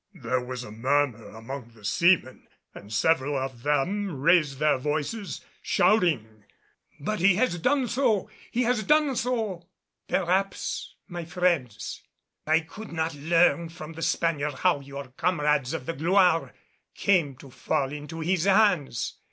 There was a murmur among the seamen and several of them raised their voices, shouting, "But he has done so! He has done so!" "Perhaps, my friends. I could not learn from the Spaniard how your comrades of the Gloire came to fall into his hands.